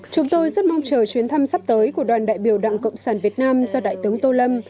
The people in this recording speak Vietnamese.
chúng tôi rất mong chờ chuyến thăm sắp tới của đoàn đại biểu đảng cộng sản việt nam do đại tướng tô lâm